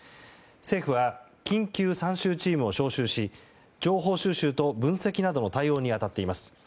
政府は、緊急参集チームを招集し情報収集と分析などの対応に当たっています。